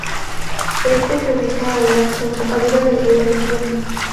Este se ubica en la desembocadura del río Locumba.